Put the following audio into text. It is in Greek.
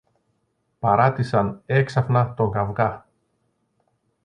παράτησαν έξαφνα τον καβγά